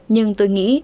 nhưng tôi nghĩ